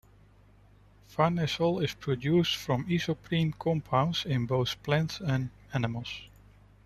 Farnesol is produced from isoprene compounds in both plants and animals.